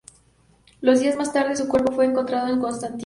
Dos días más tarde, su cuerpo fue encontrado en Constantina.